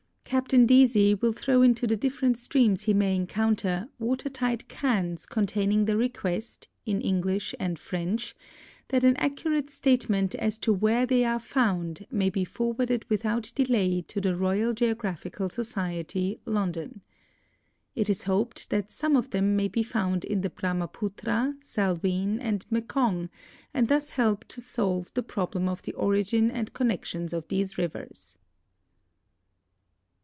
Captain Deasy will throw into the different streams he may encounter water tight cans con taining the request, in English and French, that an accurate statement as to where they are found may be forwarded without delay to the Royal Geographical Society, London. It is hoped that some of them may be found in tbe Mrahmaputra, Salween, and Mekong, and thus help to solve the problem of the origin and connections of these rivers.